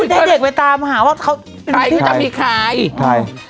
ได้เด็กไปตามมาหาว่าเขาจะมีใครใช่